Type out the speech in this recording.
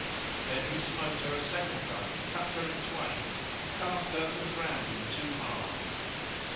Then he smote her a second time and cut her in twain and cast her to the ground in two halves.